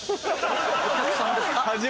お客さんですか？